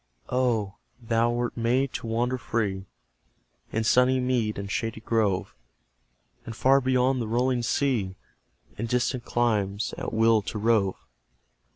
Oh, thou wert made to wander free In sunny mead and shady grove, And far beyond the rolling sea, In distant climes, at will to rove!